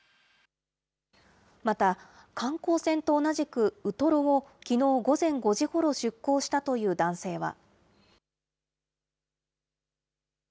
また、観光船と同じくウトロをきのう午前５時ごろ出港したという男性は。